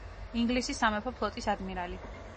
ინგლისის სამეფო ფლოტის ადმირალი.